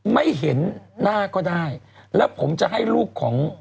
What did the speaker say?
ไม่เห็นหน้าก็ได้แล้วผมจะให้ลูกของ